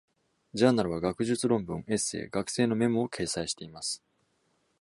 ジャーナルは、学術論文、エッセイ、学生のメモを掲載しています。